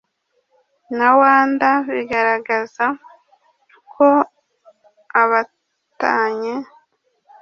na wanda bigaragaza ko abatanye